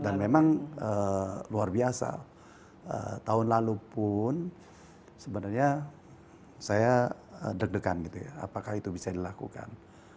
dan memang luar biasa tahun lalu pun sebenarnya saya deg degan gitu ya apakah itu bisa dilakukan